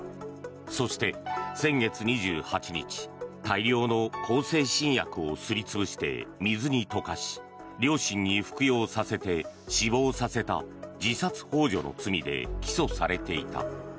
そして、先月２８日大量の向精神薬をすり潰して水に溶かし両親に服用させて死亡させた自殺ほう助の罪で起訴されていた。